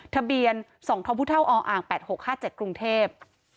ทะเบียนส่องทอพุท่าวออแปดหกห้าเจ็ดกรุงเทพฯ